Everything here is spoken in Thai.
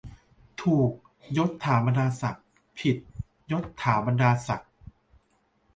ถูก ยศถาบรรดาศักดิ์ ผิด ยศฐาบรรดาศักดิ์